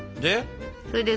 で？